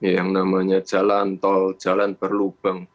yang namanya jalan tol jalan berlubang